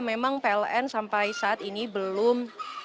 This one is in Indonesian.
memang pln sampai saat ini belum